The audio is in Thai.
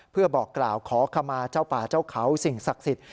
เพื่อบอกกล่าวขอขมาเจ้าป่าเจ้าเขาสิ่งศักดิ์สิทธิ